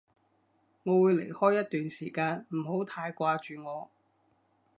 我會離開一段時間，唔好太掛住我